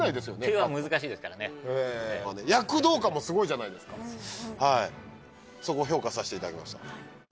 手は難しいですからね躍動感もすごいじゃないですかそこ評価させていただきました